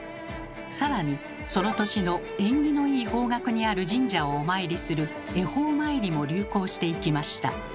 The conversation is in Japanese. さらにその年の縁起のいい方角にある神社をお参りする「恵方参り」も流行していきました。